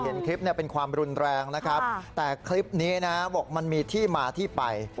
เห็นคลิปเป็นความรุนแรงนะครับแต่คลิปนี้นะบอกมันมีที่มาที่ไป